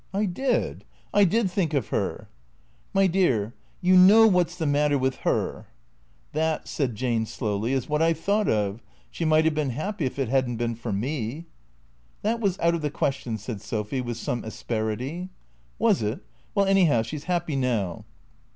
"I did. I did think of her." " My dear — you know what 's the matter with her ?"" That," said Jane slowly, " is what I thought of. She might have been happy if it had n't been for me." " That was out of the question," said Sophy, with some asperity. " Was it ? Well, anyhow, she 's happy now."